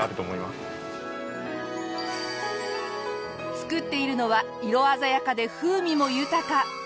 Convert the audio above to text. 作っているのは色鮮やかで風味も豊か！